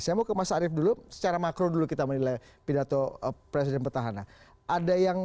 saya mau ke mas arief dulu secara makro dulu kita menilai pidato presiden petahana